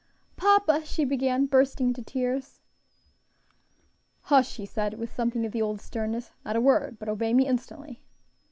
"Papa " she began, bursting into tears. "Hush!" he said, with something of the old sternness; "not a word; but obey me instantly."